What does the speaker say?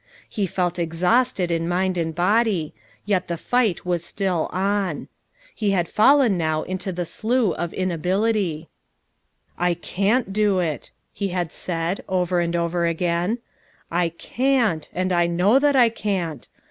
He felt exhausted in mind and body, yet the fight was still on. He had fallen now into the slough of inability. "I can't do it!" he had said, over and over m 04 tt 360 FOUR MOTHERS AT CHAUTAUQUA again. U I can't, and I know that I can't.